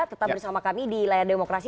tetap bersama kami di layar demokrasi